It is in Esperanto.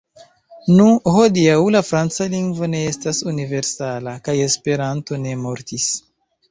Nu, hodiaŭ la franca lingvo ne estas universala, kaj Esperanto ne mortis.